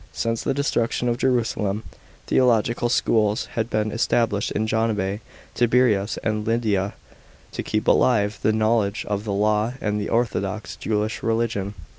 Since the destruction of Jerusalem, theological schools had been established in Jabneh, Tiberias, and Lydda, to keep alive the knowledge of the law and the orthodox Jewish religion.